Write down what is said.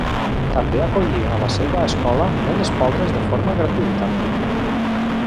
També acollí a la seva escola nenes pobres de forma gratuïta.